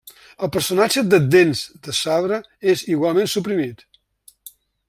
El personatge de Dents de sabre és igualment suprimit.